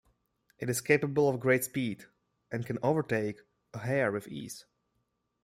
It is capable of great speed and can overtake a hare with ease.